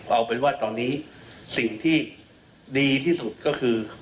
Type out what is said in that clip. เอาเป็นว่าตอนนี้สิ่งที่ดีที่สุดก็คือ